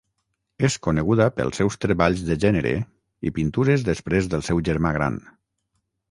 És coneguda pels seus treballs de gènere i pintures després del seu germà gran.